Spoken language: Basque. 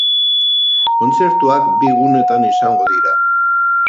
Kontzertuak bi gunetan izango dira.